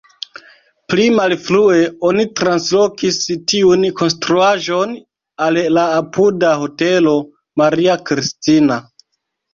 Pli malfrue oni translokis tiun konstruaĵon al la apuda Hotelo Maria Kristina.